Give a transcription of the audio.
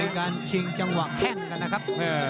เป็นการชิงจังหวังแค่นกันนะครับ